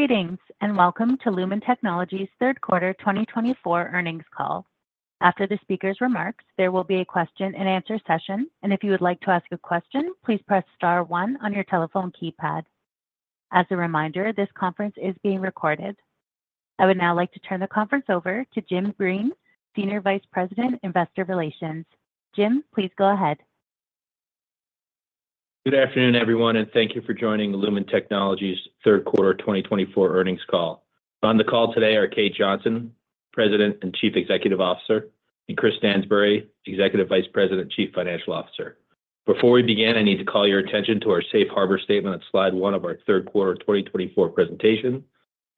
Greetings and welcome to Lumen Technologies' third quarter 2024 earnings call. After the speaker's remarks, there will be a question-and-answer session, and if you would like to ask a question, please press star one on your telephone keypad. As a reminder, this conference is being recorded. I would now like to turn the conference over to Jim Breen, Senior Vice President, Investor Relations. Jim, please go ahead. Good afternoon, everyone, and thank you for joining Lumen Technologies' third quarter 2024 earnings call. On the call today are Kate Johnson, President and Chief Executive Officer, and Chris Stansbury, Executive Vice President, Chief Financial Officer. Before we begin, I need to call your attention to our safe harbor statement on slide one of our third quarter 2024 presentation,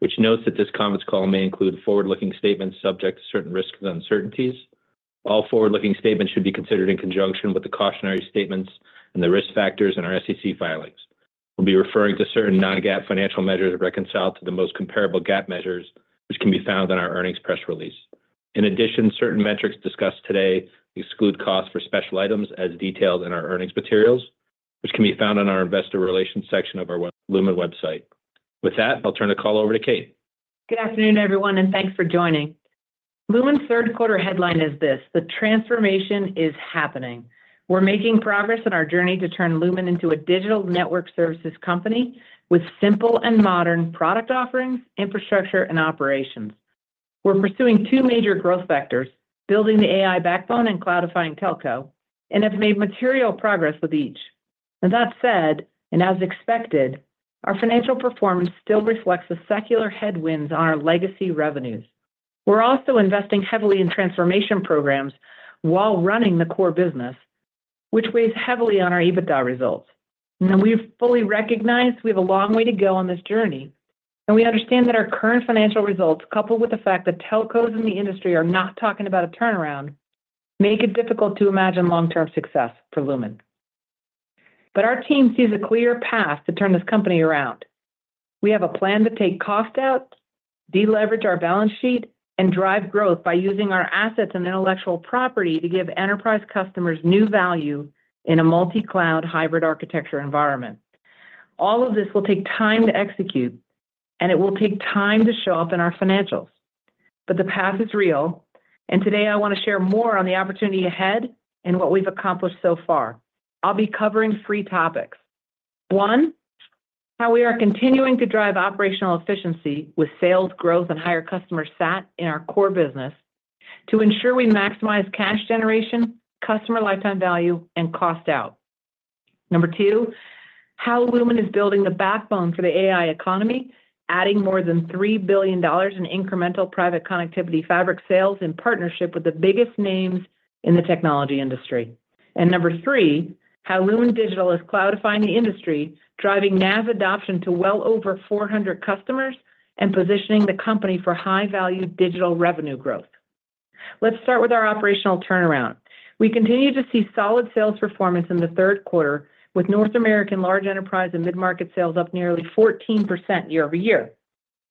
which notes that this conference call may include forward-looking statements subject to certain risks and uncertainties. All forward-looking statements should be considered in conjunction with the cautionary statements and the risk factors in our SEC filings. We'll be referring to certain non-GAAP financial measures reconciled to the most comparable GAAP measures, which can be found on our earnings press release. In addition, certain metrics discussed today exclude costs for special items as detailed in our earnings materials, which can be found on our investor relations section of our Lumen website. With that, I'll turn the call over to Kate. Good afternoon, everyone, and thanks for joining. Lumen's third quarter headline is this: The transformation is happening. We're making progress on our journey to turn Lumen into a digital network services company with simple and modern product offerings, infrastructure, and operations. We're pursuing two major growth vectors: building the AI backbone and cloudifying telco, and have made material progress with each. That said, and as expected, our financial performance still reflects the secular headwinds on our legacy revenues. We're also investing heavily in transformation programs while running the core business, which weighs heavily on our EBITDA results. We fully recognize we have a long way to go on this journey, and we understand that our current financial results, coupled with the fact that telcos in the industry are not talking about a turnaround, make it difficult to imagine long-term success for Lumen. But our team sees a clear path to turn this company around. We have a plan to take cost out, deleverage our balance sheet, and drive growth by using our assets and intellectual property to give enterprise customers new value in a multi-cloud hybrid architecture environment. All of this will take time to execute, and it will take time to show up in our financials. But the path is real, and today I want to share more on the opportunity ahead and what we've accomplished so far. I'll be covering three topics: one, how we are continuing to drive operational efficiency with sales growth and higher customer sat in our core business to ensure we maximize cash generation, customer lifetime value, and cost out, number two, how Lumen is building the backbone for the AI economy, adding more than $3 billion in incremental Private Connectivity Fabric sales in partnership with the biggest names in the technology industry, and number three, how Lumen Digital is cloudifying the industry, driving NaaS adoption to well over 400 customers and positioning the company for high-value digital revenue growth. Let's start with our operational turnaround. We continue to see solid sales performance in the third quarter, with North American Large Enterprise and Mid-Market sales up nearly 14% year-over-year.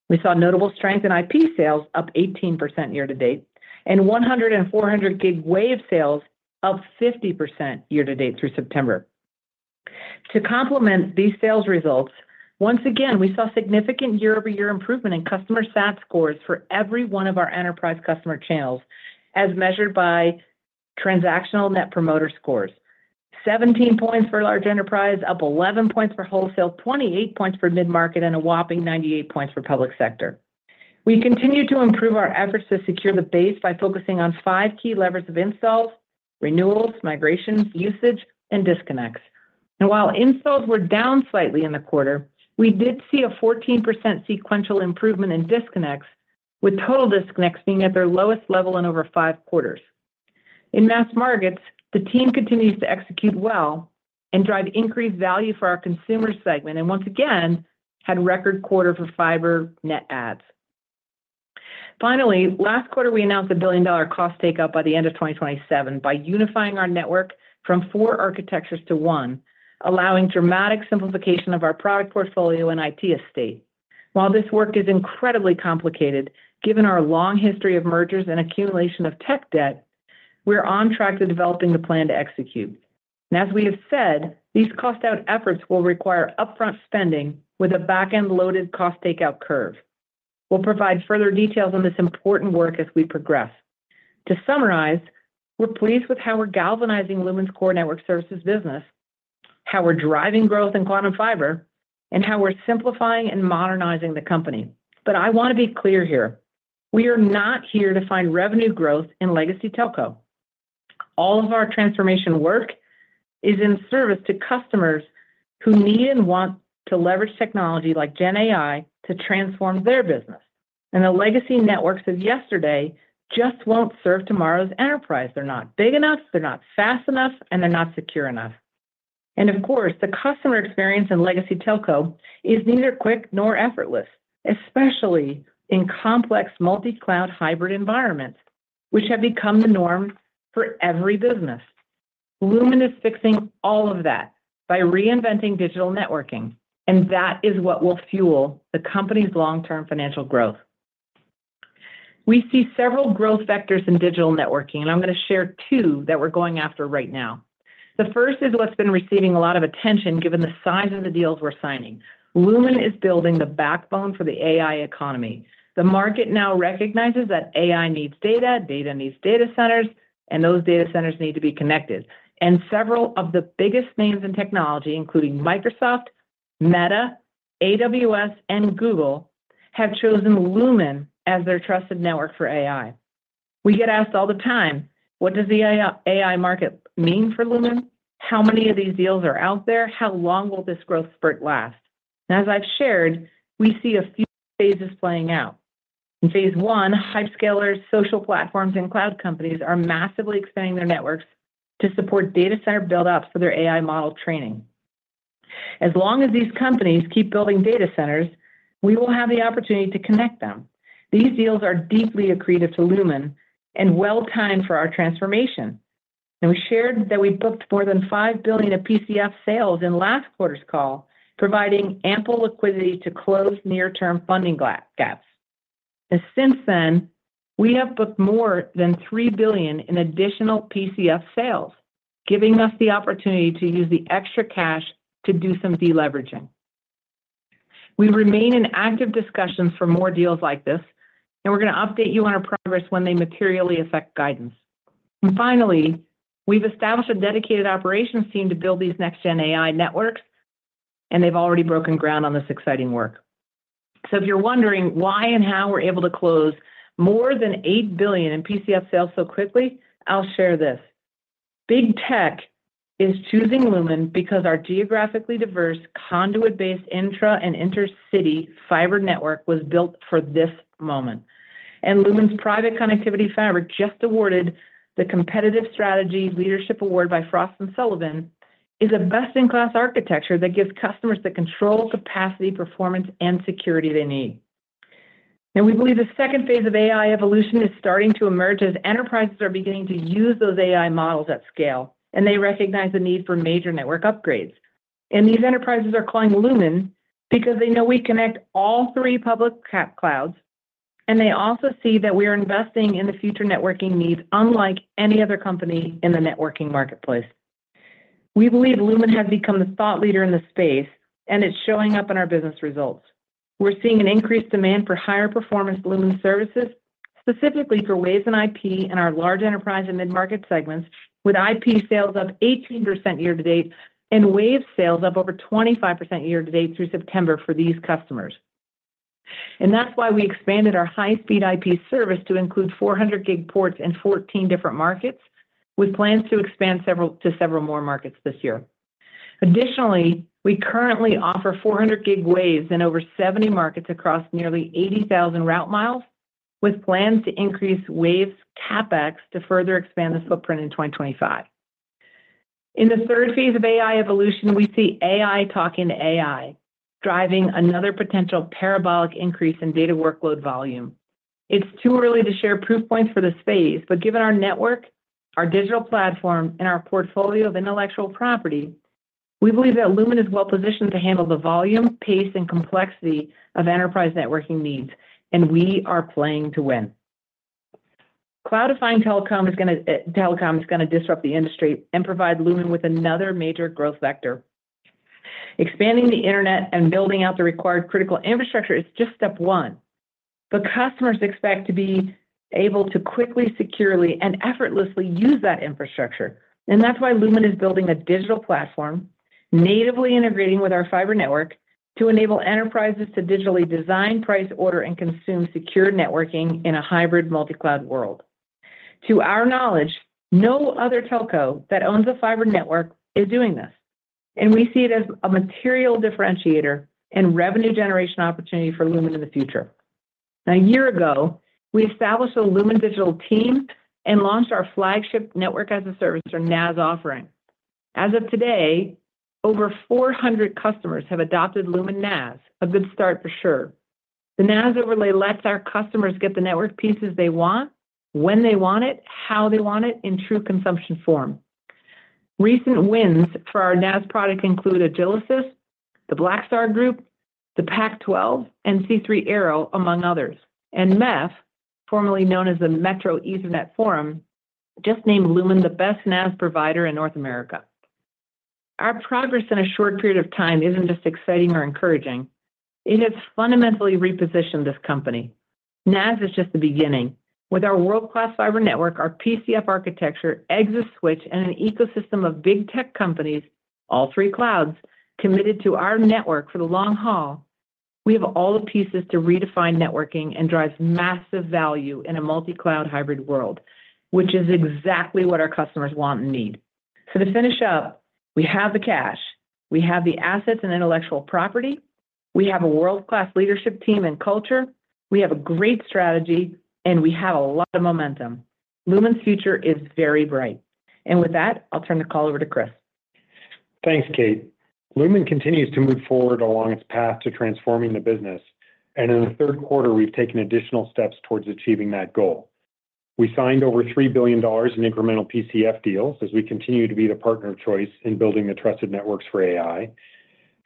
We saw notable strength in IP sales, up 18% year to date, and 100 and 400 Gig Wave sales up 50% year to date through September. To complement these sales results, once again, we saw significant year-over-year improvement in customer sat scores for every one of our enterprise customer channels, as measured by transactional Net Promoter Scores: 17 points for Large Enterprise, up 11 points for Wholesale, 28 points for Mid-Market, and a whopping 98 points for Public Sector. We continue to improve our efforts to secure the base by focusing on five key levers of installs, renewals, migrations, usage, and disconnects. While installs were down slightly in the quarter, we did see a 14% sequential improvement in disconnects, with total disconnects being at their lowest level in over five quarters. In Mass Markets, the team continues to execute well and drive increased value for our consumer segment, and once again had record quarter for fiber net adds. Finally, last quarter, we announced a $1 billion cost takeout by the end of 2027 by unifying our network from four architectures to one, allowing dramatic simplification of our product portfolio and IT estate. While this work is incredibly complicated, given our long history of mergers and accumulation of tech debt, we're on track to developing the plan to execute. As we have said, these cost-out efforts will require upfront spending with a back-end loaded cost takeout curve. We'll provide further details on this important work as we progress. To summarize, we're pleased with how we're galvanizing Lumen's core network services business, how we're driving growth in Quantum Fiber, and how we're simplifying and modernizing the company. But I want to be clear here: we are not here to find revenue growth in legacy telco. All of our transformation work is in service to customers who need and want to leverage technology like GenAI to transform their business. The legacy networks of yesterday just won't serve tomorrow's enterprise. They're not big enough, they're not fast enough, and they're not secure enough. Of course, the customer experience in legacy telco is neither quick nor effortless, especially in complex multi-cloud hybrid environments, which have become the norm for every business. Lumen is fixing all of that by reinventing digital networking, and that is what will fuel the company's long-term financial growth. We see several growth factors in digital networking, and I'm going to share two that we're going after right now. The first is what's been receiving a lot of attention given the size of the deals we're signing. Lumen is building the backbone for the AI economy. The market now recognizes that AI needs data, data needs data centers, and those data centers need to be connected. Several of the biggest names in technology, including Microsoft, Meta, AWS, and Google, have chosen Lumen as their trusted network for AI. We get asked all the time, "What does the AI market mean for Lumen? How many of these deals are out there? How long will this growth spurt last?" As I've shared, we see a few phases playing out. In phase one, hyperscalers, social platforms, and cloud companies are massively expanding their networks to support data center build-ups for their AI model training. As long as these companies keep building data centers, we will have the opportunity to connect them. These deals are deeply accretive to Lumen and well-timed for our transformation. We shared that we booked more than $5 billion of PCF sales in last quarter's call, providing ample liquidity to close near-term funding gaps. Since then, we have booked more than $3 billion in additional PCF sales, giving us the opportunity to use the extra cash to do some deleveraging. We remain in active discussions for more deals like this, and we're going to update you on our progress when they materially affect guidance. Finally, we've established a dedicated operations team to build these next-gen AI networks, and they've already broken ground on this exciting work. If you're wondering why and how we're able to close more than $8 billion in PCF sales so quickly, I'll share this. Big Tech is choosing Lumen because our geographically diverse conduit-based intra and intercity fiber network was built for this moment. Lumen's Private Connectivity Fabric, just awarded the Competitive Strategy Leadership Award by Frost & Sullivan, is a best-in-class architecture that gives customers the control, capacity, performance, and security they need. We believe the second phase of AI evolution is starting to emerge as enterprises are beginning to use those AI models at scale, and they recognize the need for major network upgrades. These enterprises are calling Lumen because they know we connect all three public clouds, and they also see that we are investing in the future networking needs unlike any other company in the networking marketplace. We believe Lumen has become the thought leader in the space, and it's showing up in our business results. We're seeing an increased demand for higher performance Lumen services, specifically for Wave and IP in our Large Enterprise and Mid-Market segments, with IP sales up 18% year to date and Wave sales up over 25% year to date through September for these customers. That's why we expanded our high-speed IP service to include 400 Gig ports in 14 different markets, with plans to expand to several more markets this year. Additionally, we currently offer 400 Gig Waves in over 70 markets across nearly 80,000 route miles, with plans to increase Waves CapEx to further expand the footprint in 2025. In the third phase of AI evolution, we see AI talking to AI, driving another potential parabolic increase in data workload volume. It's too early to share proof points for the space, but given our network, our digital platform, and our portfolio of intellectual property, we believe that Lumen is well-positioned to handle the volume, pace, and complexity of enterprise networking needs, and we are playing to win. Cloudifying telecom is going to disrupt the industry and provide Lumen with another major growth vector. Expanding the internet and building out the required critical infrastructure is just step one, but customers expect to be able to quickly, securely, and effortlessly use that infrastructure. That's why Lumen is building a digital platform, natively integrating with our fiber network to enable enterprises to digitally design, price, order, and consume secure networking in a hybrid multi-cloud world. To our knowledge, no other telco that owns a fiber network is doing this, and we see it as a material differentiator and revenue generation opportunity for Lumen in the future. A year ago, we established a Lumen Digital team and launched our flagship network as a service or NaaS offering. As of today, over 400 customers have adopted Lumen NaaS, a good start for sure. The NaaS overlay lets our customers get the network pieces they want, when they want it, how they want it, in true consumption form. Recent wins for our NaaS product include Agilysys, the BlackStar Group, the Pac-12, and C3 Aero, among others. MEF, formerly known as the Metro Ethernet Forum, just named Lumen the best NaaS provider in North America. Our progress in a short period of time isn't just exciting or encouraging. It has fundamentally repositioned this company. NaaS is just the beginning. With our world-class fiber network, our PCF architecture, ExaSwitch, and an ecosystem of big tech companies, all three clouds, committed to our network for the long haul, we have all the pieces to redefine networking and drive massive value in a multi-cloud hybrid world, which is exactly what our customers want and need. To finish up, we have the cash, we have the assets and intellectual property, we have a world-class leadership team and culture, we have a great strategy, and we have a lot of momentum. Lumen's future is very bright. With that, I'll turn the call over to Chris. Thanks, Kate. Lumen continues to move forward along its path to transforming the business, and in the third quarter, we've taken additional steps towards achieving that goal. We signed over $3 billion in incremental PCF deals as we continue to be the partner of choice in building the trusted networks for AI.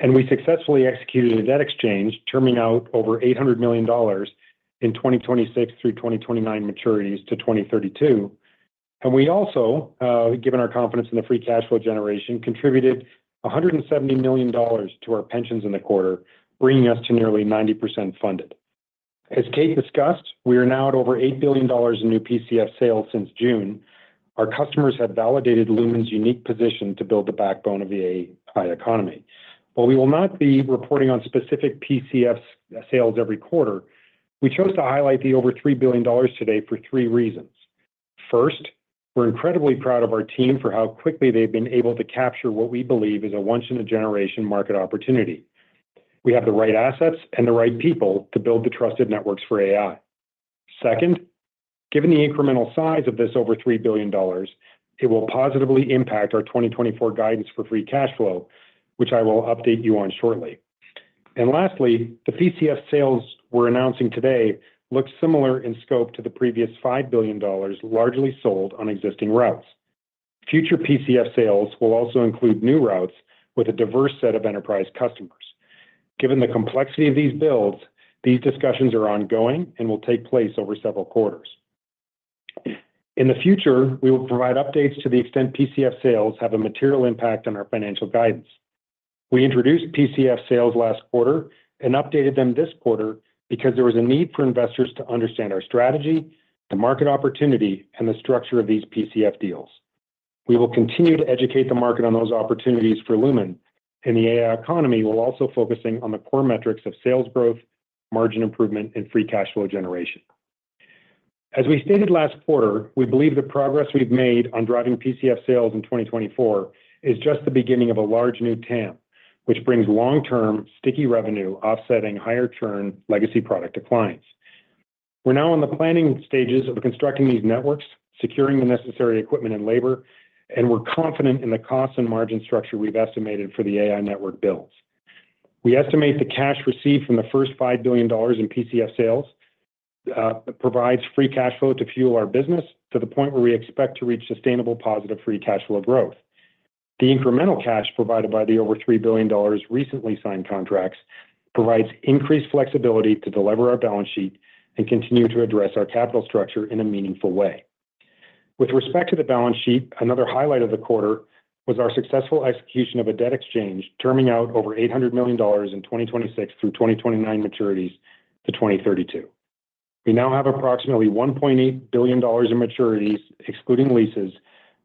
We successfully executed a debt exchange, terminating out over $800 million in 2026 through 2029 maturities to 2032. We also, given our confidence in the free cash flow generation, contributed $170 million to our pensions in the quarter, bringing us to nearly 90% funded. As Kate discussed, we are now at over $8 billion in new PCF sales since June. Our customers have validated Lumen's unique position to build the backbone of the AI economy. While we will not be reporting on specific PCF sales every quarter, we chose to highlight the over $3 billion today for three reasons. First, we're incredibly proud of our team for how quickly they've been able to capture what we believe is a once-in-a-generation market opportunity. We have the right assets and the right people to build the trusted networks for AI. Second, given the incremental size of this over $3 billion, it will positively impact our 2024 guidance for free cash flow, which I will update you on shortly. Lastly, the PCF sales we're announcing today look similar in scope to the previous $5 billion largely sold on existing routes. Future PCF sales will also include new routes with a diverse set of enterprise customers. Given the complexity of these builds, these discussions are ongoing and will take place over several quarters. In the future, we will provide updates to the extent PCF sales have a material impact on our financial guidance. We introduced PCF sales last quarter and updated them this quarter because there was a need for investors to understand our strategy, the market opportunity, and the structure of these PCF deals. We will continue to educate the market on those opportunities for Lumen, and the AI economy will also focus on the core metrics of sales growth, margin improvement, and free cash flow generation. As we stated last quarter, we believe the progress we've made on driving PCF sales in 2024 is just the beginning of a large new TAM, which brings long-term sticky revenue offsetting higher churn legacy product declines. We're now in the planning stages of constructing these networks, securing the necessary equipment and labor, and we're confident in the cost and margin structure we've estimated for the AI network builds. We estimate the cash received from the first $5 billion in PCF sales provides free cash flow to fuel our business to the point where we expect to reach sustainable positive free cash flow growth. The incremental cash provided by the over $3 billion recently signed contracts provides increased flexibility to deliver our balance sheet and continue to address our capital structure in a meaningful way. With respect to the balance sheet, another highlight of the quarter was our successful execution of a debt exchange, terminating out over $800 million in 2026 through 2029 maturities to 2032. We now have approximately $1.8 billion in maturities, excluding leases,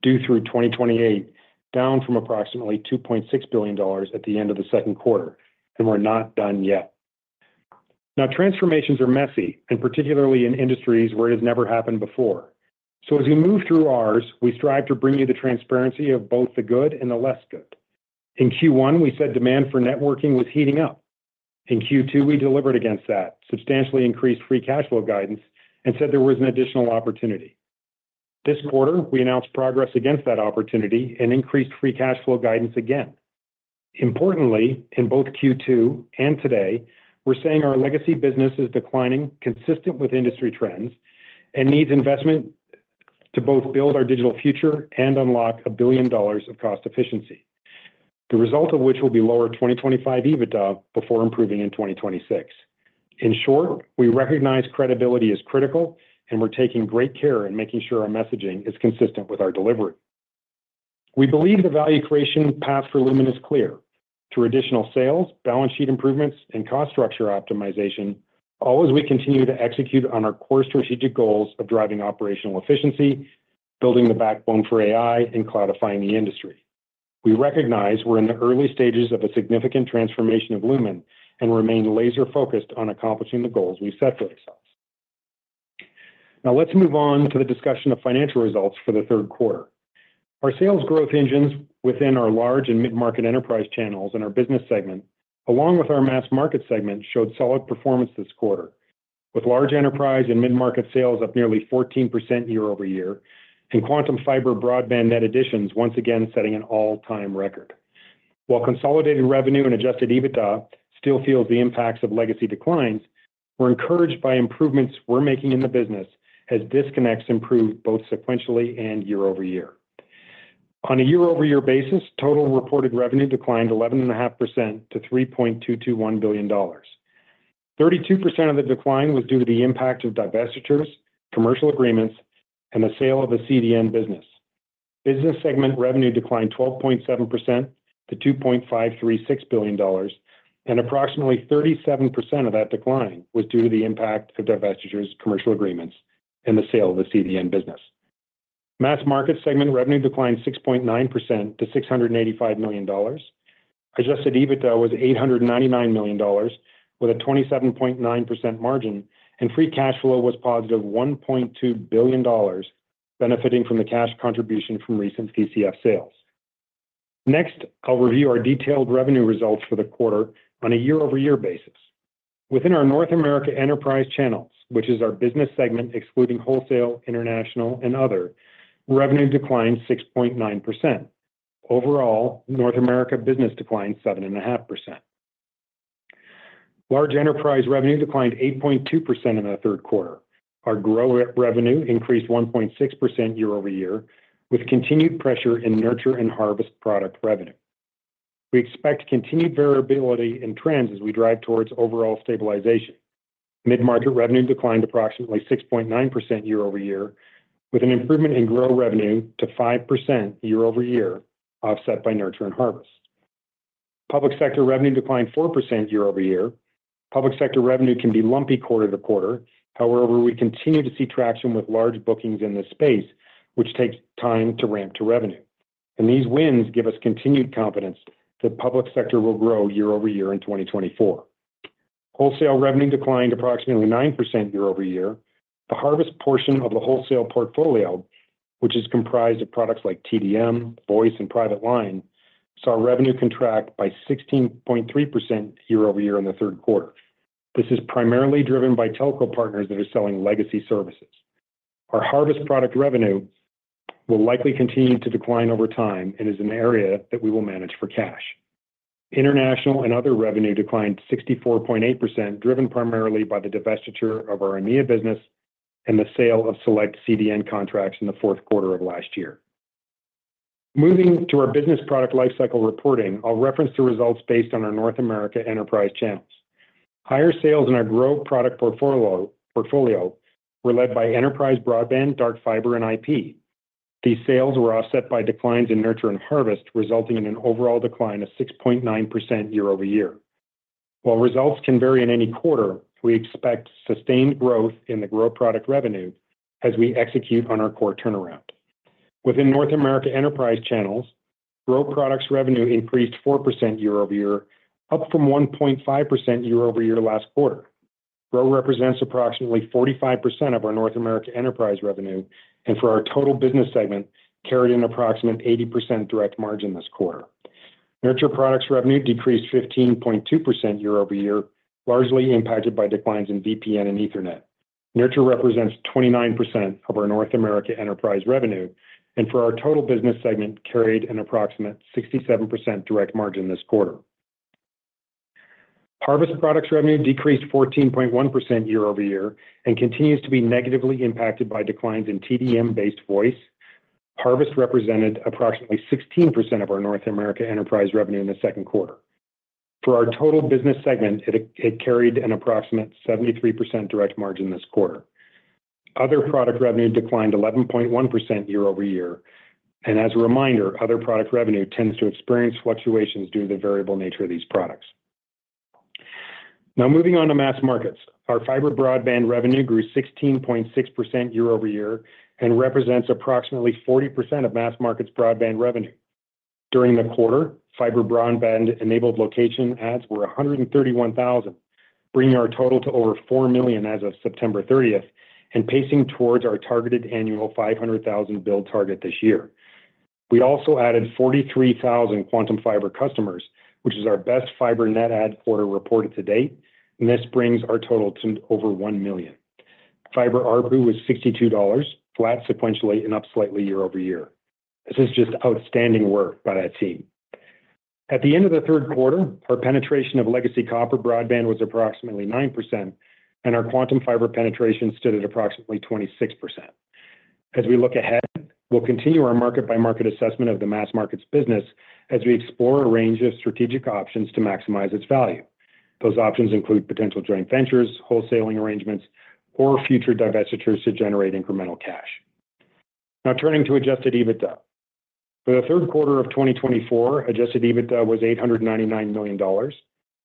due through 2028, down from approximately $2.6 billion at the end of the second quarter, and we're not done yet. Now, transformations are messy, and particularly in industries where it has never happened before. As we move through ours, we strive to bring you the transparency of both the good and the less good. In Q1, we said demand for networking was heating up. In Q2, we delivered against that, substantially increased free cash flow guidance, and said there was an additional opportunity. This quarter, we announced progress against that opportunity and increased free cash flow guidance again. Importantly, in both Q2 and today, we're saying our legacy business is declining, consistent with industry trends, and needs investment to both build our digital future and unlock $1 billion of cost efficiency, the result of which will be lower 2025 EBITDA before improving in 2026. In short, we recognize credibility is critical, and we're taking great care in making sure our messaging is consistent with our delivery. We believe the value creation path for Lumen is clear: through additional sales, balance sheet improvements, and cost structure optimization, all as we continue to execute on our core strategic goals of driving operational efficiency, building the backbone for AI, and cloudifying the industry. We recognize we're in the early stages of a significant transformation of Lumen and remain laser-focused on accomplishing the goals we've set for ourselves. Now, let's move on to the discussion of financial results for the third quarter. Our sales growth engines within our large and Mid-Market enterprise channels and our business segment, along with our mass market segment, showed solid performance this quarter, with Large Enterprise and Mid-Market sales up nearly 14% year-over-year, and Quantum Fiber broadband net additions once again setting an all-time record. While consolidated revenue and Adjusted EBITDA still feel the impacts of legacy declines, we're encouraged by improvements we're making in the business as disconnects improve both sequentially and year-over-year. On a year-over-year basis, total reported revenue declined 11.5% to $3.221 billion. 32% of the decline was due to the impact of divestitures, commercial agreements, and the sale of the CDN business. Business segment revenue declined 12.7% to $2.536 billion, and approximately 37% of that decline was due to the impact of divestitures, commercial agreements, and the sale of the CDN business. Mass market segment revenue declined 6.9% to $685 million. Adjusted EBITDA was $899 million, with a 27.9% margin, and free cash flow was positive $1.2 billion, benefiting from the cash contribution from recent PCF sales. Next, I'll review our detailed revenue results for the quarter on a year-over-year basis. Within our North America enterprise channels, which is our business segment excluding Wholesale, international, and other, revenue declined 6.9%. Overall, North America business declined 7.5%. Large Enterprise revenue declined 8.2% in the third quarter. Our growth revenue increased 1.6% year-over-year, with continued pressure in Nurture and Harvest product revenue. We expect continued variability and trends as we drive towards overall stabilization. Mid-Market revenue declined approximately 6.9% year-over-year, with an improvement in Grow revenue to 5% year-over-year, offset by Nurture and Harvest. Public Sector revenue declined 4% year-over-year. Public Sector revenue can be lumpy quarter to quarter. However, we continue to see traction with large bookings in this space, which takes time to ramp to revenue. These wins give us continued confidence that Public Sector will grow year-over-year in 2024. Wholesale revenue declined approximately 9% year-over-year. The Harvest portion of the Wholesale portfolio, which is comprised of products like TDM, Voice, and Private Line, saw revenue contract by 16.3% year-over-year in the third quarter. This is primarily driven by telco partners that are selling legacy services. Our Harvest product revenue will likely continue to decline over time and is an area that we will manage for cash. International and other revenue declined 64.8%, driven primarily by the divestiture of our EMEA business and the sale of select CDN contracts in the fourth quarter of last year. Moving to our business product lifecycle reporting, I'll reference the results based on our North America enterprise channels. Higher sales in our grow product portfolio were led by enterprise broadband, dark fiber, and IP. These sales were offset by declines in Nurture and Harvest, resulting in an overall decline of 6.9% year-over-year. While results can vary in any quarter, we expect sustained growth in the grow product revenue as we execute on our core turnaround. Within North America enterprise channels, grow products revenue increased 4% year-over-year, up from 1.5% year-over-year last quarter. Grow represents approximately 45% of our North America enterprise revenue, and for our total business segment, carried in approximately 80% direct margin this quarter. Nurture products revenue decreased 15.2% year-over-year, largely impacted by declines in VPN and Ethernet. Nurture represents 29% of our North America enterprise revenue, and for our total business segment, carried in approximately 67% direct margin this quarter. Harvest products revenue decreased 14.1% year-over-year and continues to be negatively impacted by declines in TDM-based Voice. Harvest represented approximately 16% of our North America enterprise revenue in the second quarter. For our total business segment, it carried in approximately 73% direct margin this quarter. Other product revenue declined 11.1% year-over-year. As a reminder, other product revenue tends to experience fluctuations due to the variable nature of these products. Now, moving on to Mass Markets, our fiber broadband revenue grew 16.6% year-over-year and represents approximately 40% of Mass Markets broadband revenue. During the quarter, fiber broadband-enabled location adds were 131,000, bringing our total to over 4 million as of September 30th and pacing towards our targeted annual 500,000 build target this year. We also added 43,000 Quantum Fiber customers, which is our best fiber net add quarter reported to date, and this brings our total to over 1 million. Fiber ARPU was $62, flat sequentially and up slightly year-over-year. This is just outstanding work by that team. At the end of the third quarter, our penetration of legacy copper broadband was approximately 9%, and our Quantum Fiber penetration stood at approximately 26%. As we look ahead, we'll continue our market-by-market assessment of the Mass Markets business as we explore a range of strategic options to maximize its value. Those options include potential joint ventures, wholesaling arrangements, or future divestitures to generate incremental cash. Now, turning to Adjusted EBITDA. For the third quarter of 2024, Adjusted EBITDA was $899 million,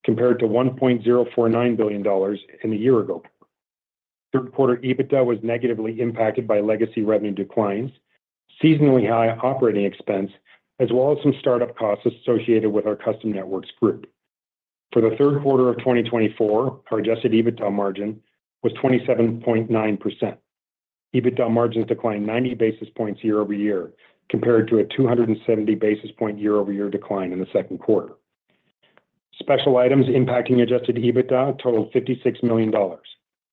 compared to $1.049 billion in the year ago quarter. Third quarter EBITDA was negatively impacted by legacy revenue declines, seasonally high operating expense, as well as some startup costs associated with our Custom Networks group. For the third quarter of 2024, our Adjusted EBITDA margin was 27.9%. EBITDA margins declined 90 basis points year-over-year, compared to a 270 basis point year-over-year decline in the second quarter. Special items impacting Adjusted EBITDA totaled $56 million.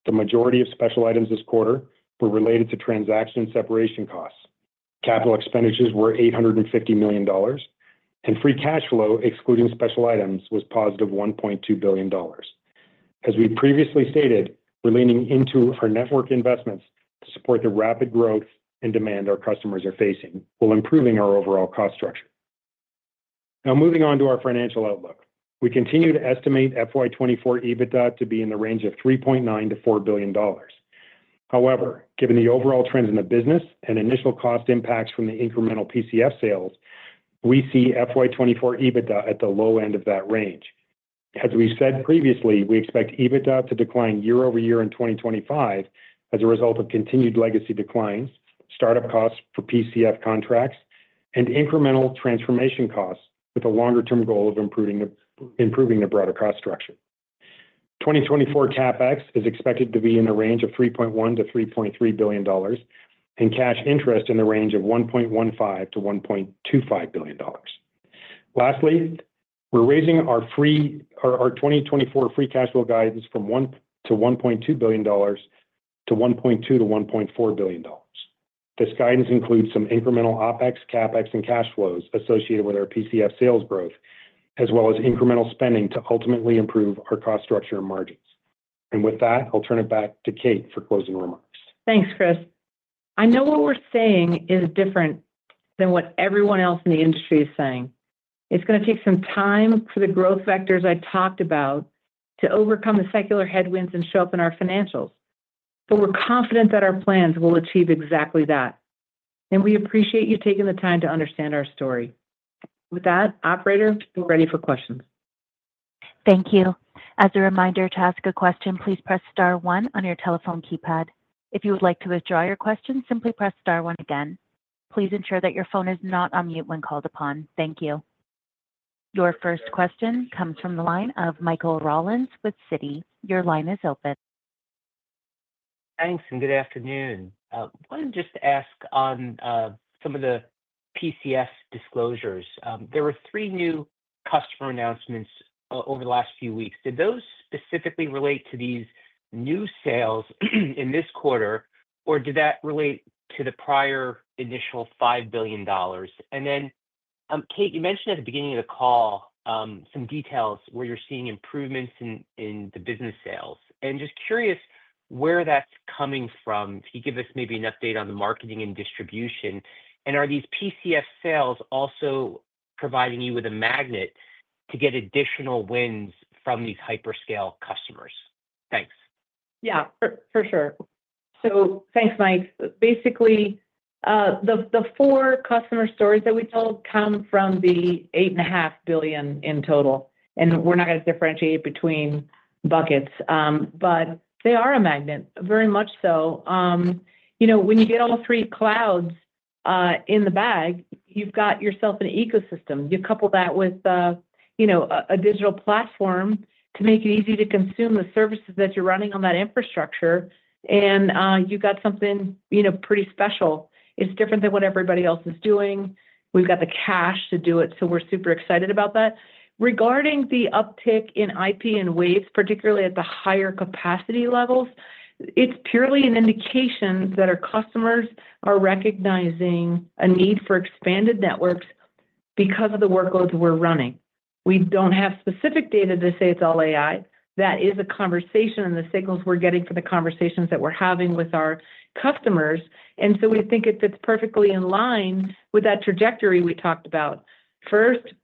The majority of special items this quarter were related to transaction separation costs. Capital expenditures were $850 million, and free cash flow, excluding special items, was positive $1.2 billion. As we previously stated, we're leaning into our network investments to support the rapid growth and demand our customers are facing while improving our overall cost structure. Now, moving on to our financial outlook, we continue to estimate FY24 EBITDA to be in the range of $3.9 billion-$4 billion. However, given the overall trends in the business and initial cost impacts from the incremental PCF sales, we see FY24 EBITDA at the low end of that range. As we said previously, we expect EBITDA to decline year-over-year in 2025 as a result of continued legacy declines, startup costs for PCF contracts, and incremental transformation costs, with a longer-term goal of improving the broader cost structure. 2024 CapEx is expected to be in the range of $3.1 billion-$3.3 billion, and cash interest in the range of $1.15 billion-$1.25 billion. Lastly, we're raising our 2024 free cash flow guidance from $1 billion-$1.2 billion to $1.2 billion-$1.4 billion. This guidance includes some incremental OpEx, CapEx, and cash flows associated with our PCF sales growth, as well as incremental spending to ultimately improve our cost structure and margins. And with that, I'll turn it back to Kate for closing remarks. Thanks, Chris. I know what we're saying is different than what everyone else in the industry is saying. It's going to take some time for the growth vectors I talked about to overcome the secular headwinds and show up in our financials. But we're confident that our plans will achieve exactly that. And we appreciate you taking the time to understand our story. With that, operator, we're ready for questions. Thank you. As a reminder, to ask a question, please press star one on your telephone keypad. If you would like to withdraw your question, simply press star one again. Please ensure that your phone is not on mute when called upon. Thank you. Your first question comes from the line of Michael Rollins with Citi. Your line is open. Thanks, and good afternoon. I wanted to just ask on some of the PCF disclosures. There were three new customer announcements over the last few weeks. Did those specifically relate to these new sales in this quarter, or did that relate to the prior initial $5 billion? And then, Kate, you mentioned at the beginning of the call some details where you're seeing improvements in the business sales, and just curious where that's coming from. Can you give us maybe an update on the marketing and distribution? And are these PCF sales also providing you with a magnet to get additional wins from these hyperscale customers? Thanks. Yeah, for sure. So thanks, Mike. Basically, the four customer stories that we told come from the $8.5 billion in total. And we're not going to differentiate between buckets, but they are a magnet, very much so. When you get all three clouds in the bag, you've got yourself an ecosystem. You couple that with a digital platform to make it easy to consume the services that you're running on that infrastructure, and you've got something pretty special. It's different than what everybody else is doing. We've got the cash to do it, so we're super excited about that. Regarding the uptick in IP and Waves, particularly at the higher capacity levels, it's purely an indication that our customers are recognizing a need for expanded networks because of the workloads we're running. We don't have specific data to say it's all AI. That is a conversation and the signals we're getting from the conversations that we're having with our customers, and so we think it fits perfectly in line with that trajectory we talked about. First,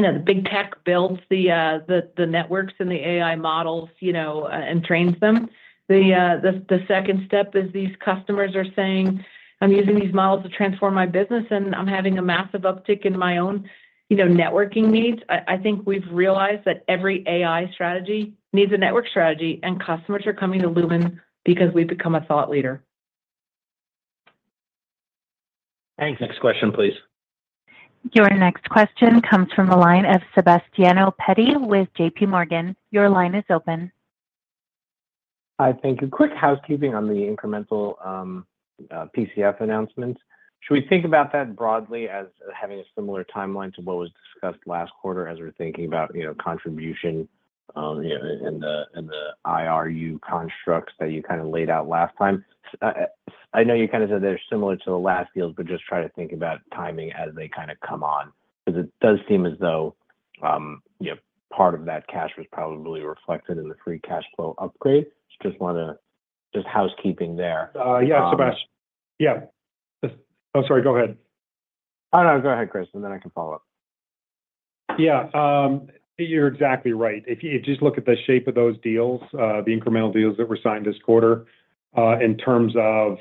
the big tech builds the networks and the AI models and trains them. The second step is these customers are saying, "I'm using these models to transform my business, and I'm having a massive uptick in my own networking needs." I think we've realized that every AI strategy needs a network strategy, and customers are coming to Lumen because we've become a thought leader. Thanks. Next question, please. Your next question comes from the line of Sebastiano Petti with JPMorgan. Your line is open. Hi, thank you. Quick housekeeping on the incremental PCF announcements. Should we think about that broadly as having a similar timeline to what was discussed last quarter as we're thinking about contribution and the IRU constructs that you kind of laid out last time? I know you kind of said they're similar to the last deals, but just try to think about timing as they kind of come on. Because it does seem as though part of that cash was probably reflected in the free cash flow upgrade. Just housekeeping there. Yeah, Sebastiano. Yeah. Oh, sorry, go ahead. No, no, go ahead, Chris, and then I can follow up. Yeah, you're exactly right. If you just look at the shape of those deals, the incremental deals that were signed this quarter, in terms of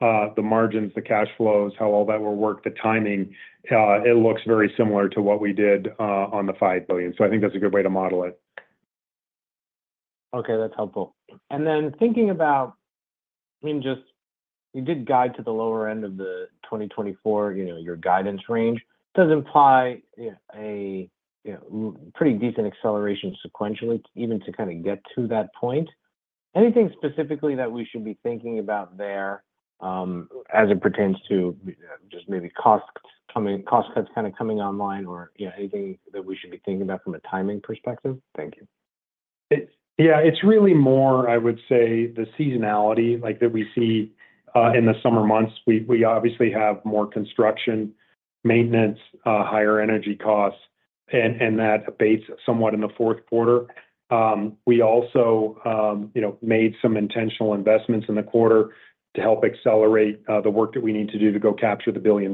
the margins, the cash flows, how all that will work, the timing, it looks very similar to what we did on the $5 billion. So I think that's a good way to model it. Okay, that's helpful. And then thinking about, I mean, just you did guide to the lower end of the 2024, your guidance range. Does imply a pretty decent acceleration sequentially even to kind of get to that point? Anything specifically that we should be thinking about there as it pertains to just maybe cost cuts kind of coming online or anything that we should be thinking about from a timing perspective? Thank you. Yeah, it's really more, I would say, the seasonality that we see in the summer months. We obviously have more construction, maintenance, higher energy costs, and that abates somewhat in the fourth quarter. We also made some intentional investments in the quarter to help accelerate the work that we need to do to go capture $1 billion.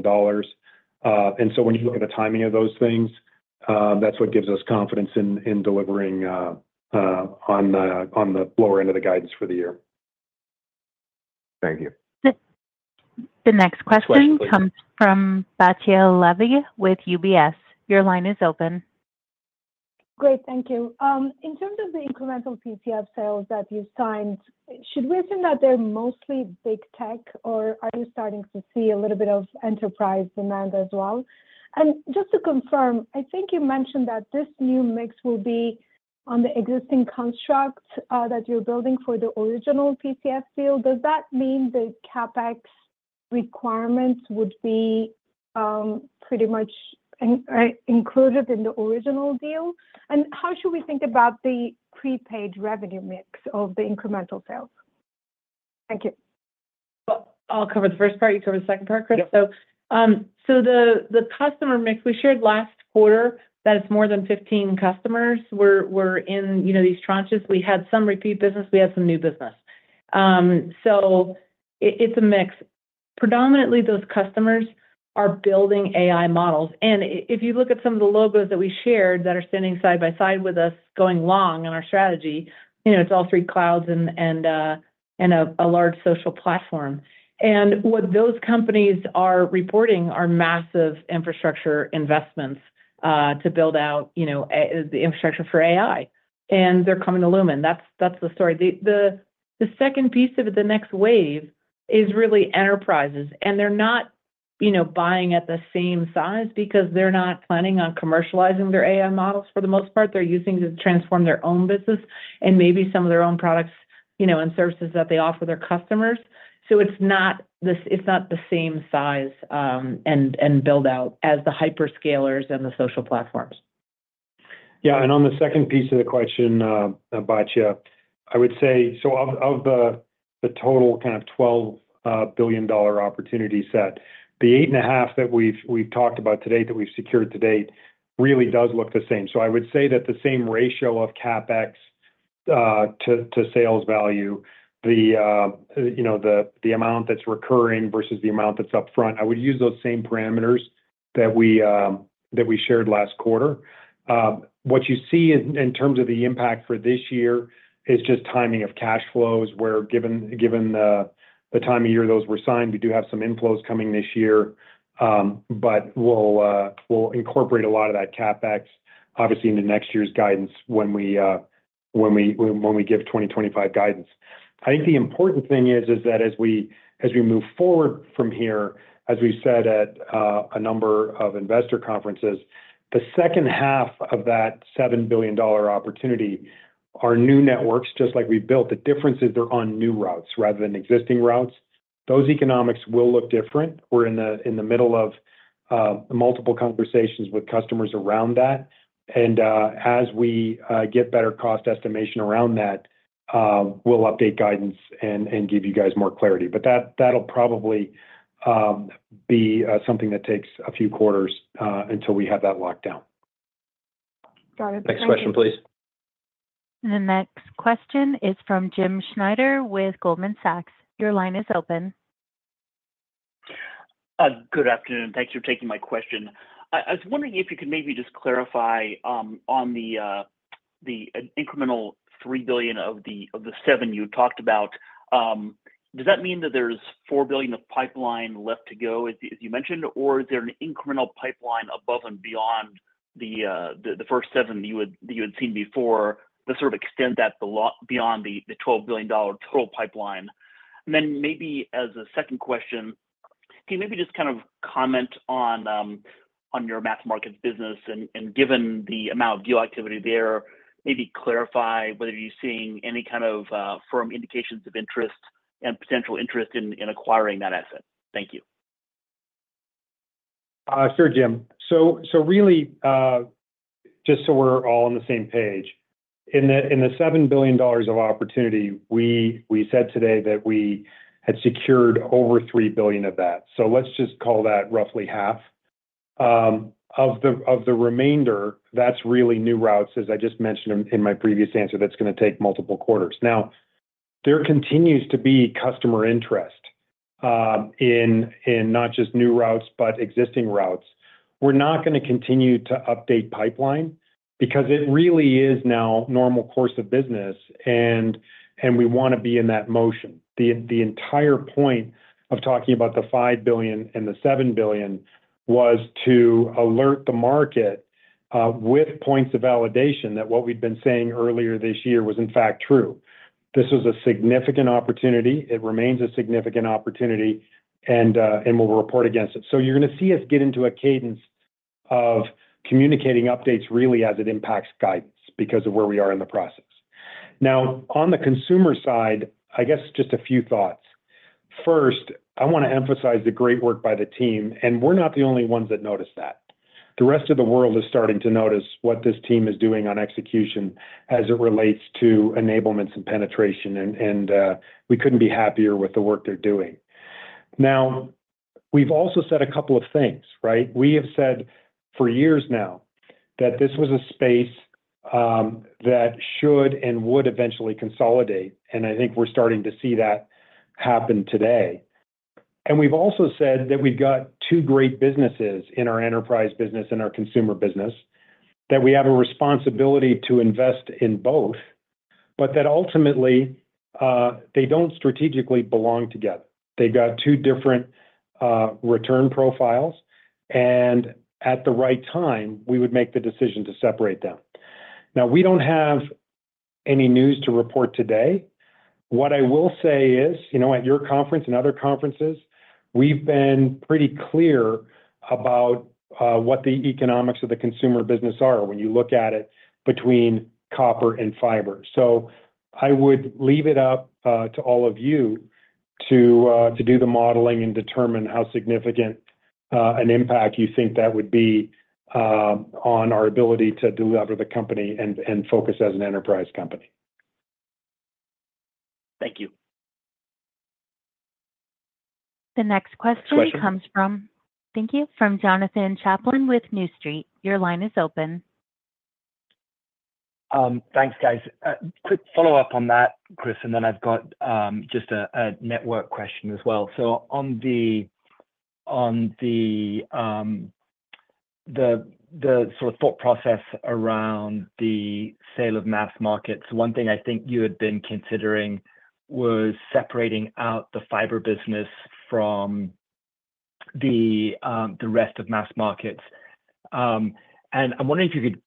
And so when you look at the timing of those things, that's what gives us confidence in delivering on the lower end of the guidance for the year. Thank you. The next question comes from Batya Levi with UBS. Your line is open. Great, thank you. In terms of the incremental PCF sales that you've signed, should we assume that they're mostly big tech, or are you starting to see a little bit of enterprise demand as well? And just to confirm, I think you mentioned that this new mix will be on the existing construct that you're building for the original PCF deal. Does that mean the CapEx requirements would be pretty much included in the original deal? And how should we think about the prepaid revenue mix of the incremental sales? Thank you. I'll cover the first part. You cover the second part, Chris. So the customer mix we shared last quarter, that it's more than 15 customers were in these tranches. We had some repeat business. We had some new business. So it's a mix. Predominantly, those customers are building AI models. And if you look at some of the logos that we shared that are standing side by side with us going long in our strategy, it's all three clouds and a large social platform. And what those companies are reporting are massive infrastructure investments to build out the infrastructure for AI. And they're coming to Lumen. That's the story. The second piece of it, the next wave, is really enterprises, and they're not buying at the same size because they're not planning on commercializing their AI models for the most part. They're using it to transform their own business and maybe some of their own products and services that they offer their customers. So it's not the same size and build-out as the hyperscalers and the social platforms. Yeah, and on the second piece of the question, Sebastiano, I would say, so of the total kind of $12 billion opportunity set, the $8.5 that we've talked about today that we've secured to date really does look the same. So I would say that the same ratio of CapEx to sales value, the amount that's recurring versus the amount that's upfront, I would use those same parameters that we shared last quarter. What you see in terms of the impact for this year is just timing of cash flows, where given the time of year those were signed, we do have some inflows coming this year, but we'll incorporate a lot of that CapEx, obviously, into next year's guidance when we give 2025 guidance. I think the important thing is that as we move forward from here, as we've said at a number of investor conferences, the second half of that $7 billion opportunity, our new networks, just like we've built, the difference is they're on new routes rather than existing routes. Those economics will look different. We're in the middle of multiple conversations with customers around that. And as we get better cost estimation around that, we'll update guidance and give you guys more clarity. But that'll probably be something that takes a few quarters until we have that locked down. Got it. Thanks. Next question, please. The next question is from Jim Schneider with Goldman Sachs. Your line is open. Good afternoon. Thanks for taking my question. I was wondering if you could maybe just clarify on the incremental $3 billion of the $7 you talked about. Does that mean that there's $4 billion of pipeline left to go, as you mentioned, or is there an incremental pipeline above and beyond the first $7 that you had seen before that sort of extends that beyond the $12 billion total pipeline? And then maybe as a second question, can you maybe just kind of comment on your Mass Markets business and, given the amount of deal activity there, maybe clarify whether you're seeing any kind of firm indications of interest and potential interest in acquiring that asset? Thank you. Sure, Jim. So really, just so we're all on the same page, in the $7 billion of opportunity, we said today that we had secured over $3 billion of that. So let's just call that roughly half. Of the remainder, that's really new routes, as I just mentioned in my previous answer, that's going to take multiple quarters. Now, there continues to be customer interest in not just new routes, but existing routes. We're not going to continue to update pipeline because it really is now normal course of business, and we want to be in that motion. The entire point of talking about the $5 billion and the $7 billion was to alert the market with points of validation that what we'd been saying earlier this year was, in fact, true. This was a significant opportunity. It remains a significant opportunity, and we'll report against it. So you're going to see us get into a cadence of communicating updates really as it impacts guidance because of where we are in the process. Now, on the consumer side, I guess just a few thoughts. First, I want to emphasize the great work by the team, and we're not the only ones that noticed that. The rest of the world is starting to notice what this team is doing on execution as it relates to enablements and penetration, and we couldn't be happier with the work they're doing. Now, we've also said a couple of things, right? We have said for years now that this was a space that should and would eventually consolidate, and I think we're starting to see that happen today. And we've also said that we've got two great businesses in our enterprise business and our consumer business, that we have a responsibility to invest in both, but that ultimately they don't strategically belong together. They've got two different return profiles, and at the right time, we would make the decision to separate them. Now, we don't have any news to report today. What I will say is, at your conference and other conferences, we've been pretty clear about what the economics of the consumer business are when you look at it between copper and fiber. So I would leave it up to all of you to do the modeling and determine how significant an impact you think that would be on our ability to deliver the company and focus as an enterprise company. Thank you. The next question comes from. Thank you. From Jonathan Chaplin with New Street. Your line is open. Thanks, guys. Quick follow-up on that, Chris, and then I've got just a network question as well. So on the sort of thought process around the sale of Mass Markets, one thing I think you had been considering was separating out the fiber business from the rest of Mass Markets. And I'm wondering if you could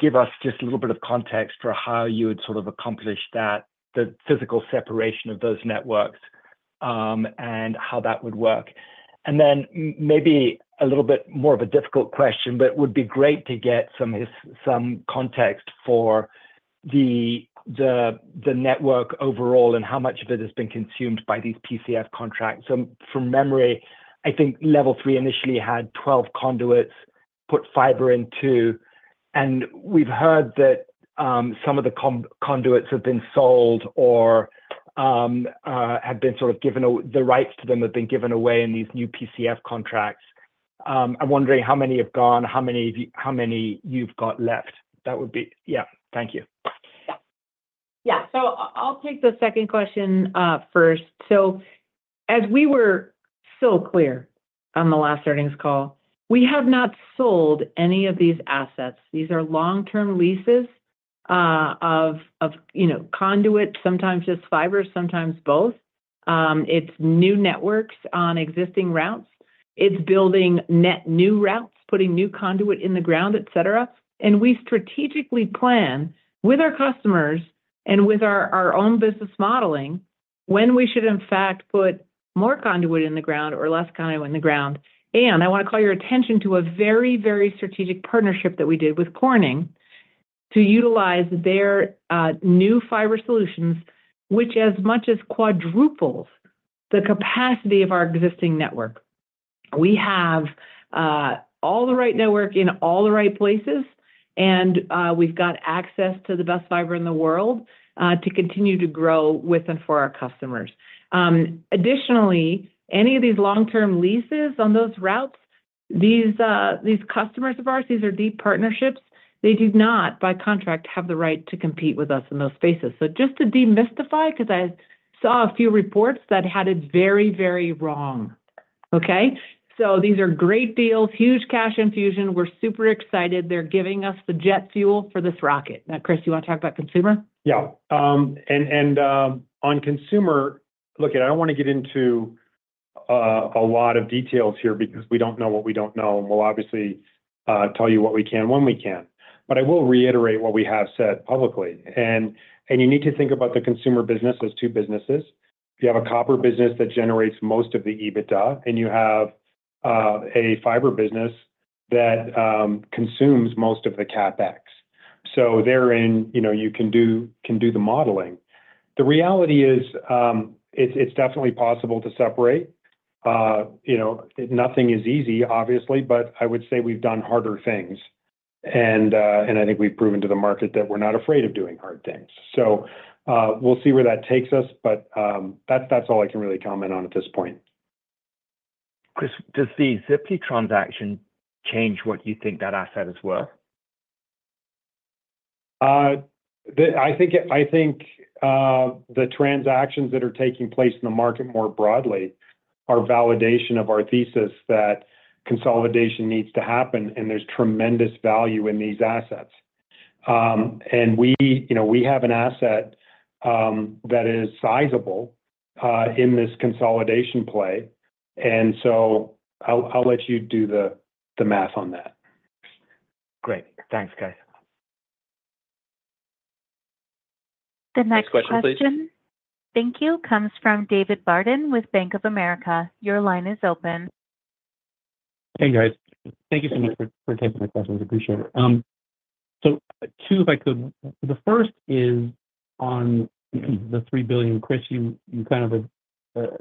give us just a little bit of context for how you would sort of accomplish that, the physical separation of those networks, and how that would work. And then maybe a little bit more of a difficult question, but it would be great to get some context for the network overall and how much of it has been consumed by these PCF contracts. So from memory, I think Level 3 initially had 12 conduits put fiber into, and we've heard that some of the conduits have been sold or have been sort of given the rights to them, have been given away in these new PCF contracts. I'm wondering how many have gone, how many you've got left. That would be, yeah. Thank you. Yeah. So I'll take the second question first. So as we were so clear on the last earnings call, we have not sold any of these assets. These are long-term leases of conduit, sometimes just fiber, sometimes both. It's new networks on existing routes. It's building net new routes, putting new conduit in the ground, etc. And we strategically plan with our customers and with our own business modeling when we should, in fact, put more conduit in the ground or less conduit in the ground. And I want to call your attention to a very, very strategic partnership that we did with Corning to utilize their new fiber solutions, which, as much as quadruples the capacity of our existing network. We have all the right network in all the right places, and we've got access to the best fiber in the world to continue to grow with and for our customers. Additionally, any of these long-term leases on those routes. These customers of ours, these are deep partnerships. They do not, by contract, have the right to compete with us in those spaces, so just to demystify, because I saw a few reports that had it very, very wrong. Okay, so these are great deals, huge cash infusion. We're super excited. They're giving us the jet fuel for this rocket. Now, Chris, you want to talk about consumer? Yeah. And on consumer, look, I don't want to get into a lot of details here because we don't know what we don't know, and we'll obviously tell you what we can when we can. But I will reiterate what we have said publicly. And you need to think about the consumer business as two businesses. You have a copper business that generates most of the EBITDA, and you have a fiber business that consumes most of the CapEx. So therein, you can do the modeling. The reality is it's definitely possible to separate. Nothing is easy, obviously, but I would say we've done harder things. And I think we've proven to the market that we're not afraid of doing hard things. So we'll see where that takes us, but that's all I can really comment on at this point. Chris, does the Ziply transaction change what you think that asset is worth? I think the transactions that are taking place in the market more broadly are validation of our thesis that consolidation needs to happen, and there's tremendous value in these assets. And we have an asset that is sizable in this consolidation play. And so I'll let you do the math on that. Great. Thanks, guys. The next question. Thank you. Comes from David Barden with Bank of America. Your line is open. Hey, guys. Thank you so much for taking my questions. I appreciate it. So two, if I could, the first is on the $3 billion. Chris, you kind of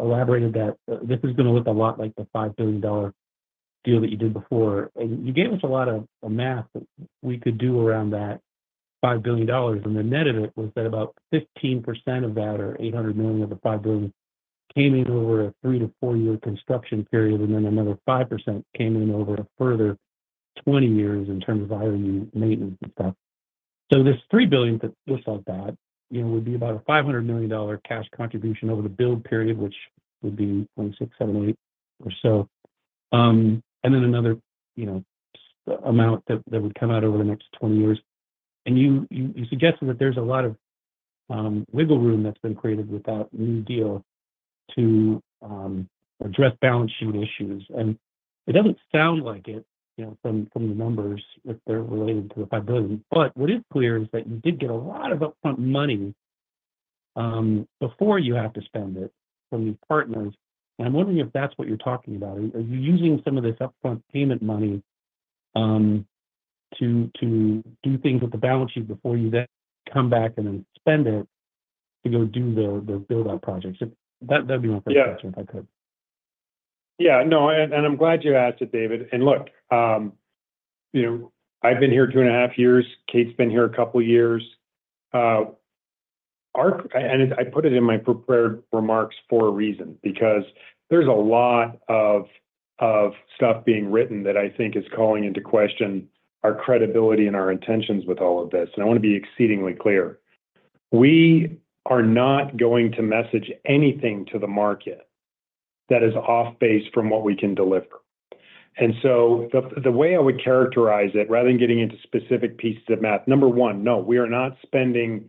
elaborated that this is going to look a lot like the $5 billion deal that you did before. And you gave us a lot of math that we could do around that $5 billion. And the net of it was that about 15% of that, or $800 million of the $5 billion, came in over a three- to four-year construction period, and then another 5% came in over a further 20 years in terms of IRU maintenance and stuff. So this $3 billion that looks like that would be about a $500 million cash contribution over the build period, which would be 2026, 2027, 2028 or so. And then another amount that would come out over the next 20 years. And you suggested that there's a lot of wiggle room that's been created with that new deal to address balance sheet issues. And it doesn't sound like it from the numbers if they're related to the $5 billion. But what is clear is that you did get a lot of upfront money before you have to spend it from these partners. I'm wondering if that's what you're talking about. Are you using some of this upfront payment money to do things with the balance sheet before you then come back and then spend it to go do the build-out projects? That would be my first question if I could. Yeah. No. I'm glad you asked it, David. Look, I've been here two and a half years. Kate's been here a couple of years. I put it in my prepared remarks for a reason because there's a lot of stuff being written that I think is calling into question our credibility and our intentions with all of this. I want to be exceedingly clear. We are not going to message anything to the market that is off-base from what we can deliver. And so the way I would characterize it, rather than getting into specific pieces of math, number one, no, we are not spending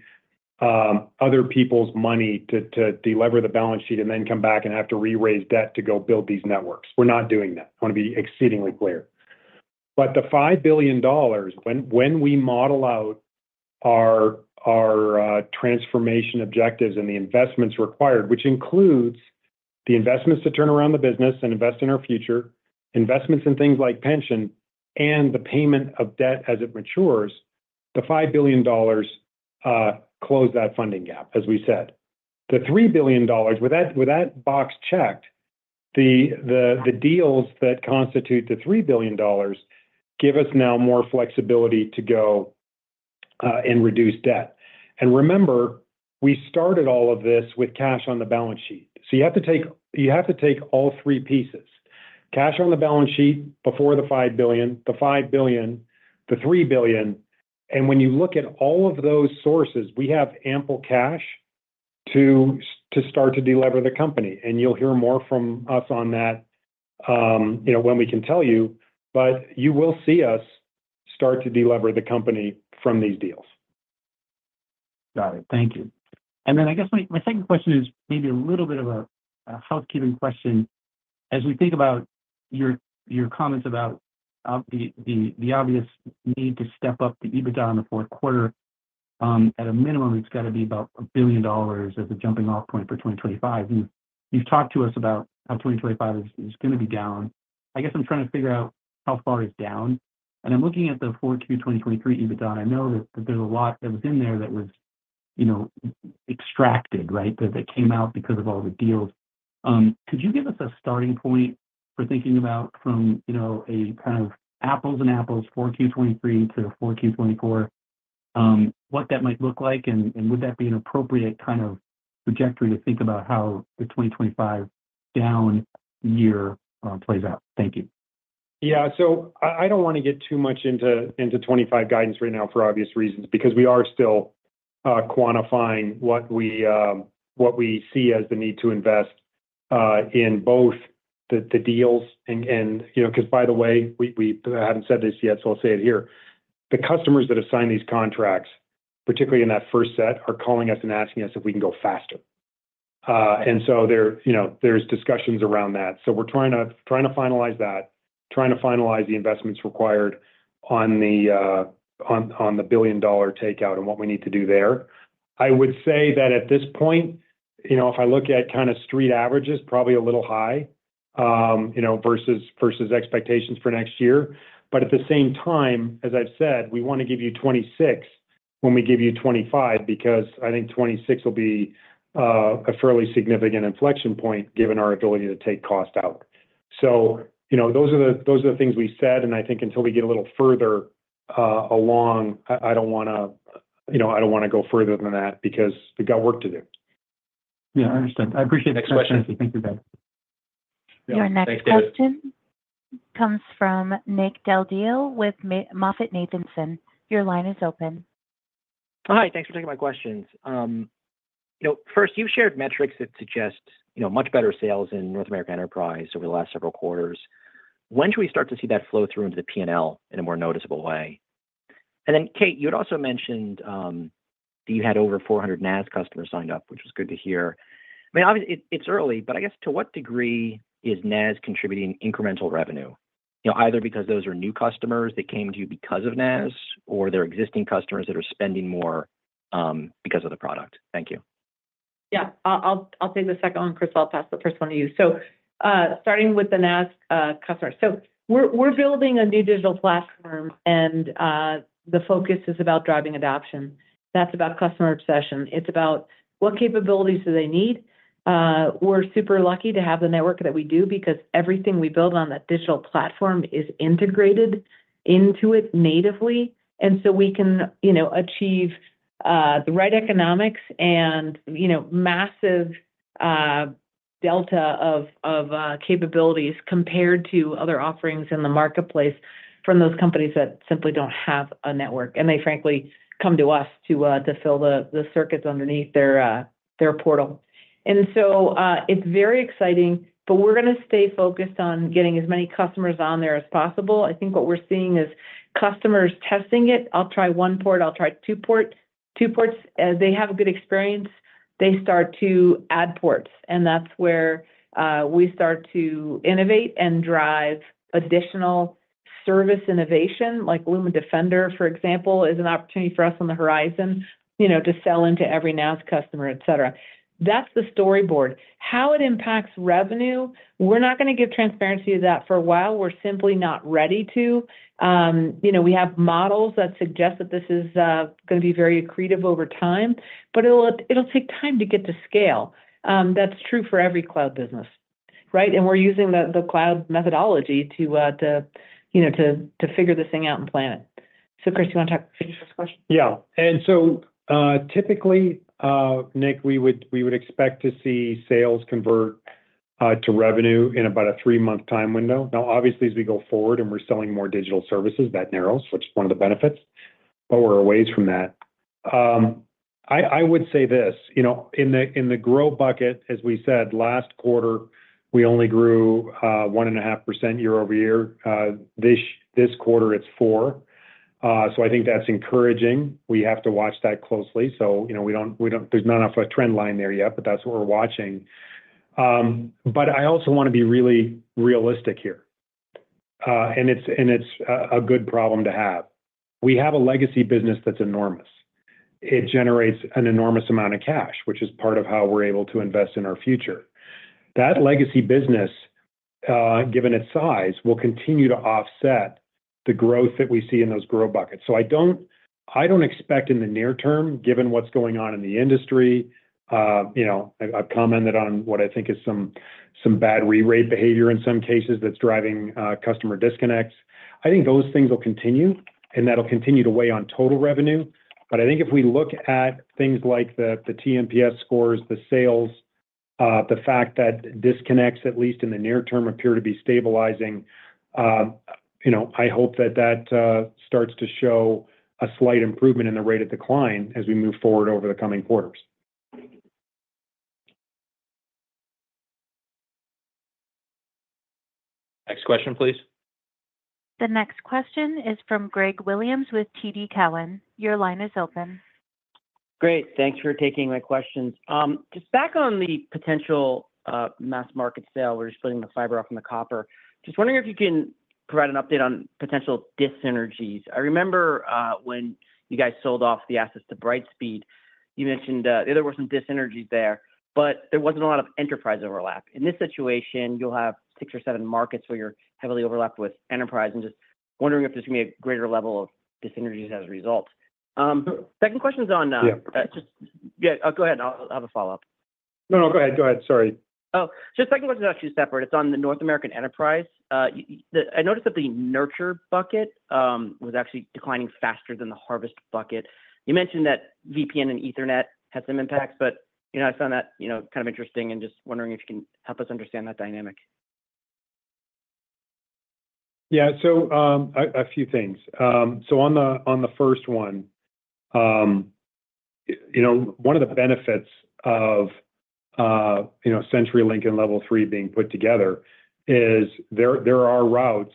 other people's money to deliver the balance sheet and then come back and have to re-raise debt to go build these networks. We're not doing that. I want to be exceedingly clear. But the $5 billion, when we model out our transformation objectives and the investments required, which includes the investments to turn around the business and invest in our future, investments in things like pension, and the payment of debt as it matures, the $5 billion closed that funding gap, as we said. The $3 billion, with that box checked, the deals that constitute the $3 billion give us now more flexibility to go and reduce debt. And remember, we started all of this with cash on the balance sheet. So you have to take all three pieces: cash on the balance sheet before the $5 billion, the $5 billion, the $3 billion. And when you look at all of those sources, we have ample cash to start to deliver the company. And you'll hear more from us on that when we can tell you, but you will see us start to deliver the company from these deals. Got it. Thank you. And then I guess my second question is maybe a little bit of a housekeeping question. As we think about your comments about the obvious need to step up the EBITDA in the fourth quarter, at a minimum, it's got to be about $1 billion as a jumping-off point for 2025. You've talked to us about how 2025 is going to be down. I guess I'm trying to figure out how far it's down. And I'm looking at the 2004 to 2023 EBITDA. I know that there's a lot that was in there that was extracted, right, that came out because of all the deals. Could you give us a starting point for thinking about from a kind of apples and apples 2004 to 2023 to 2004 to 2024, what that might look like, and would that be an appropriate kind of trajectory to think about how the 2025 down year plays out? Thank you. Yeah. So I don't want to get too much into 2025 guidance right now for obvious reasons because we are still quantifying what we see as the need to invest in both the deals. And because, by the way, we haven't said this yet, so I'll say it here. The customers that have signed these contracts, particularly in that first set, are calling us and asking us if we can go faster. And so there's discussions around that. So we're trying to finalize that, trying to finalize the investments required on the billion-dollar takeout and what we need to do there. I would say that at this point, if I look at kind of street averages, probably a little high versus expectations for next year. But at the same time, as I've said, we want to give you 2026 when we give you 2025 because I think 2026 will be a fairly significant inflection point given our ability to take cost out. So those are the things we said, and I think until we get a little further along, I don't want to I don't want to go further than that because we've got work to do. Yeah. I understand. I appreciate that question. Thank you, guys. Your next question comes from Nick Del Dio with MoffettNathanson. Your line is open. Hi. Thanks for taking my questions. First, you've shared metrics that suggest much better sales in North America Enterprise over the last several quarters. When should we start to see that flow through into the P&L in a more noticeable way? And then, Kate, you had also mentioned that you had over 400 NaaS customers signed up, which was good to hear. I mean, obviously, it's early, but I guess to what degree is NaaS contributing incremental revenue, either because those are new customers that came to you because of NaaS or their existing customers that are spending more because of the product? Thank you. Yeah. I'll take the second one, Chris. I'll pass the first one to you. So starting with the NaaS customers. So we're building a new digital platform, and the focus is about driving adoption. That's about customer obsession. It's about what capabilities do they need. We're super lucky to have the network that we do because everything we build on that digital platform is integrated into it natively. And so we can achieve the right economics and massive delta of capabilities compared to other offerings in the marketplace from those companies that simply don't have a network. And they, frankly, come to us to fill the circuits underneath their portal. And so it's very exciting, but we're going to stay focused on getting as many customers on there as possible. I think what we're seeing is customers testing it. I'll try one port. I'll try two ports. They have a good experience. They start to add ports. And that's where we start to innovate and drive additional service innovation. Like Lumen Defender, for example, is an opportunity for us on the horizon to sell into every NaaS customer, etc. That's the storyboard. How it impacts revenue, we're not going to give transparency to that for a while. We're simply not ready to. We have models that suggest that this is going to be very accretive over time, but it'll take time to get to scale. That's true for every cloud business, right? And we're using the cloud methodology to figure this thing out and plan it. So, Chris, do you want to take the first question? Yeah. And so typically, Nick, we would expect to see sales convert to revenue in about a three-month time window. Now, obviously, as we go forward and we're selling more digital services, that narrows, which is one of the benefits. But we're away from that. I would say this. In the Grow bucket, as we said, last quarter, we only grew 1.5% year-over-year. This quarter, it's 4%. So I think that's encouraging. We have to watch that closely. So there's not enough of a trend line there yet, but that's what we're watching. But I also want to be really realistic here. And it's a good problem to have. We have a legacy business that's enormous. It generates an enormous amount of cash, which is part of how we're able to invest in our future. That legacy business, given its size, will continue to offset the growth that we see in those Grow buckets. So I don't expect in the near term, given what's going on in the industry (I've commented on what I think is some bad re-rate behavior in some cases that's driving customer disconnects), I think those things will continue, and that'll continue to weigh on total revenue. But I think if we look at things like the TNPS scores, the sales, the fact that disconnects, at least in the near term, appear to be stabilizing, I hope that that starts to show a slight improvement in the rate of decline as we move forward over the coming quarters. Next question, please. The next question is from Greg Williams with TD Cowen. Your line is open. Great. Thanks for taking my questions. Just back on the potential mass market sale, we're just putting the fiber and the copper. Just wondering if you can provide an update on a dis-synergies. I remember when you guys sold off the assets to Brightspeed. You mentioned there were some dis-synergies there, but there wasn't a lot of enterprise overlap. In this situation, you'll have six or seven markets where you're heavily overlapped with enterprise. I'm just wondering if there's going to be a greater level of dis-synergies as a result. Second question's on. Yeah. Go ahead. I'll have a follow-up. No, no. Go ahead. Go ahead. Sorry. Oh, so second question is actually separate. It's on the North American Enterprise. I noticed that the Nurture bucket was actually declining faster than the Harvest bucket. You mentioned that VPN and Ethernet had some impacts, but I found that kind of interesting and just wondering if you can help us understand that dynamic. Yeah. So a few things. So on the first one, one of the benefits of CenturyLink and Level 3 being put together is there are routes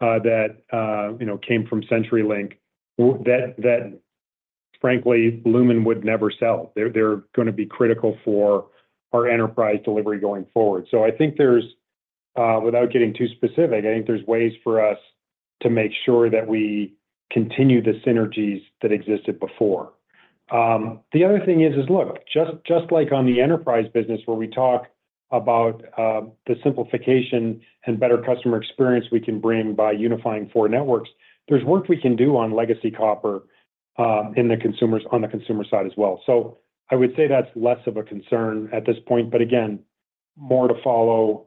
that came from CenturyLink that, frankly, Lumen would never sell. They're going to be critical for our enterprise delivery going forward. So I think there's, without getting too specific, I think there's ways for us to make sure that we continue the synergies that existed before. The other thing is, look, just like on the enterprise business where we talk about the simplification and better customer experience we can bring by unifying four networks, there's work we can do on legacy copper on the consumer side as well. So I would say that's less of a concern at this point, but again, more to follow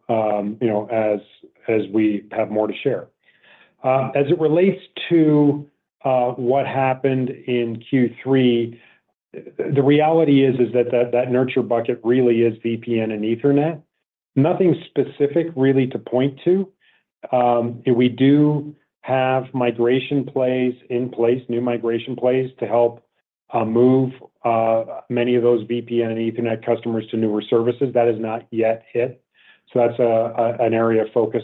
as we have more to share. As it relates to what happened in Q3, the reality is that that Nurture bucket really is VPN and Ethernet. Nothing specific really to point to. We do have migration plays in place, new migration plays to help move many of those VPN and Ethernet customers to newer services. That has not yet hit. So that's an area of focus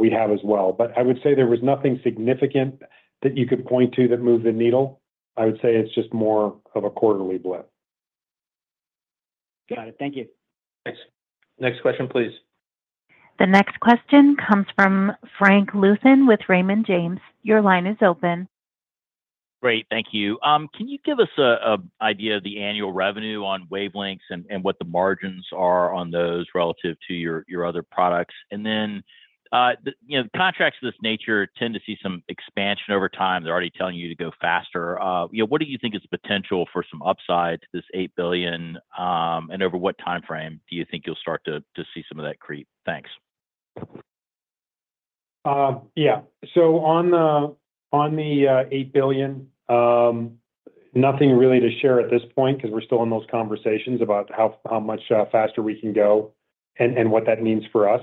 we have as well. But I would say there was nothing significant that you could point to that moved the needle. I would say it's just more of a quarterly blip. Got it. Thank you. Thanks. Next question, please. The next question comes from Frank Louthan with Raymond James. Your line is open. Great. Thank you. Can you give us an idea of the annual revenue on wavelengths and what the margins are on those relative to your other products? And then contracts of this nature tend to see some expansion over time. They're already telling you to go faster. What do you think is the potential for some upside to this $8 billion, and over what timeframe do you think you'll start to see some of that creep? Thanks. Yeah. So on the $8 billion, nothing really to share at this point because we're still in those conversations about how much faster we can go and what that means for us.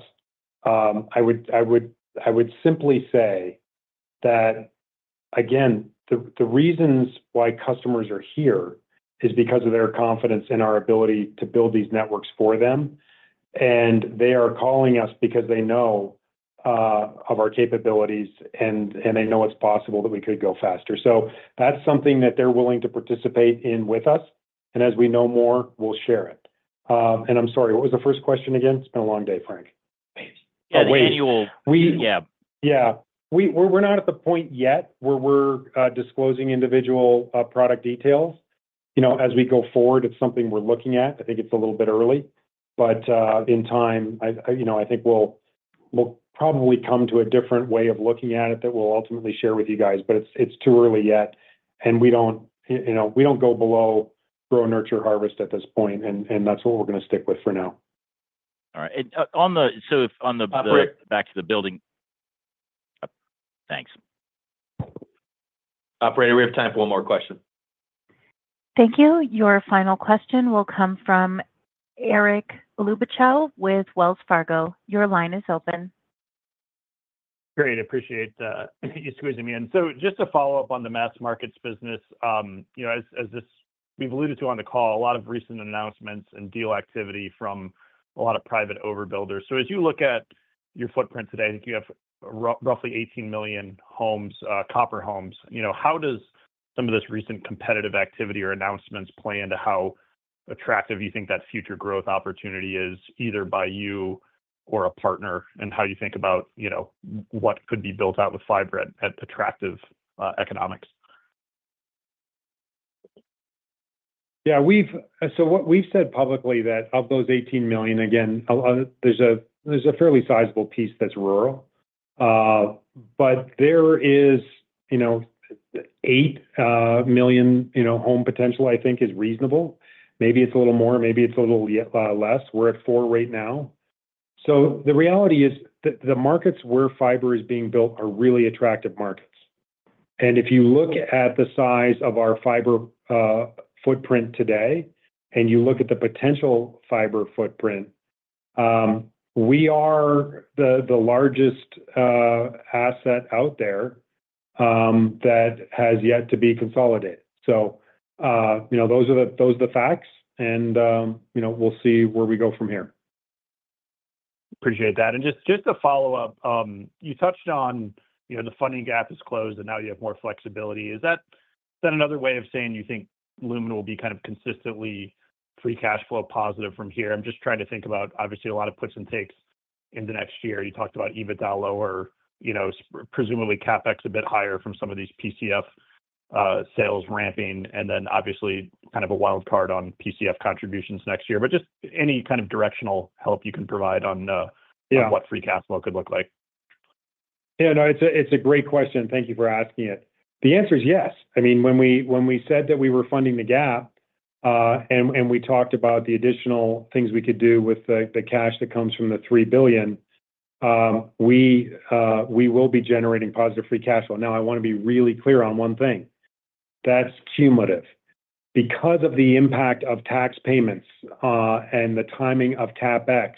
I would simply say that, again, the reasons why customers are here is because of their confidence in our ability to build these networks for them. And they are calling us because they know of our capabilities, and they know it's possible that we could go faster. So that's something that they're willing to participate in with us. And as we know more, we'll share it. And I'm sorry, what was the first question again? It's been a long day, Frank. Yeah, the annual. Yeah. We're not at the point yet where we're disclosing individual product details. As we go forward, it's something we're looking at. I think it's a little bit early. But in time, I think we'll probably come to a different way of looking at it that we'll ultimately share with you guys. But it's too early yet, and we don't go below Grow, Nurture, Harvest at this point. And that's what we're going to stick with for now. All right. So on the back of the building - thanks. Operator, we have time for one more question. Thank you. Your final question will come from Eric Luebchow with Wells Fargo. Your line is open. Great. Appreciate you squeezing me in. So just to follow up on the Mass Markets business, as we've alluded to on the call, a lot of recent announcements and deal activity from a lot of private overbuilders. So as you look at your footprint today, I think you have roughly 18 million copper homes. How does some of this recent competitive activity or announcements play into how attractive you think that future growth opportunity is, either by you or a partner, and how you think about what could be built out with fiber at attractive economics? Yeah. So we've said publicly that of those 18 million, again, there's a fairly sizable piece that's rural. But there is eight million home potential, I think, is reasonable. Maybe it's a little more. Maybe it's a little less. We're at four right now. So the reality is that the markets where fiber is being built are really attractive markets. And if you look at the size of our fiber footprint today and you look at the potential fiber footprint, we are the largest asset out there that has yet to be consolidated. So those are the facts, and we'll see where we go from here. Appreciate that. And just to follow up, you touched on the funding gap is closed, and now you have more flexibility. Is that another way of saying you think Lumen will be kind of consistently free cash flow positive from here? I'm just trying to think about, obviously, a lot of puts and takes in the next year. You talked about EBITDA lower, presumably CapEx a bit higher from some of these PCF sales ramping, and then, obviously, kind of a wild card on PCF contributions next year. But just any kind of directional help you can provide on what free cash flow could look like. Yeah. No, it's a great question. Thank you for asking it. The answer is yes. I mean, when we said that we were funding the gap and we talked about the additional things we could do with the cash that comes from the $3 billion, we will be generating positive free cash flow. Now, I want to be really clear on one thing. That's cumulative. Because of the impact of tax payments and the timing of CapEx,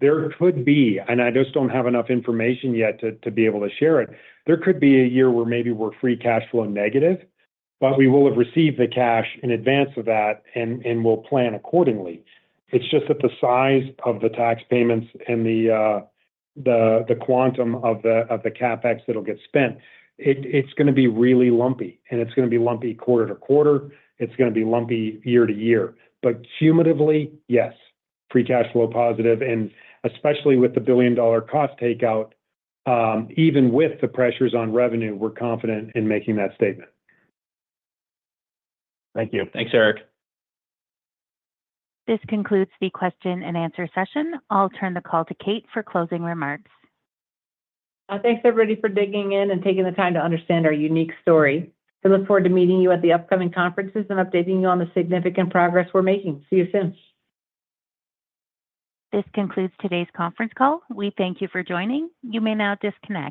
there could be, and I just don't have enough information yet to be able to share it, there could be a year where maybe we're free cash flow negative, but we will have received the cash in advance of that and will plan accordingly. It's just that the size of the tax payments and the quantum of the CapEx that'll get spent, it's going to be really lumpy. And it's going to be lumpy quarter to quarter. It's going to be lumpy year to year. But cumulatively, yes, free cash flow positive. And especially with the $1 billion cost takeout, even with the pressures on revenue, we're confident in making that statement. Thank you. Thanks, Eric. This concludes the question and answer session. I'll turn the call to Kate for closing remarks. Thanks, everybody, for digging in and taking the time to understand our unique story. We look forward to meeting you at the upcoming conferences and updating you on the significant progress we're making. See you soon. This concludes today's conference call. We thank you for joining. You may now disconnect.